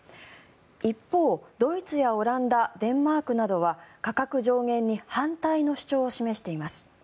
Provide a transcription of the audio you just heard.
一方、ドイツやオランダデンマークなどは価格上限に反対の主張を示しています。